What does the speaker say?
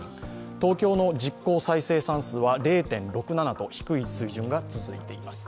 東京の実効再生産数は０．６７と低い水準が続いています。